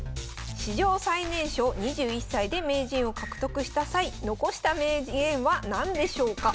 史上最年少・２１歳で名人を獲得した際残した名言は何でしょうか？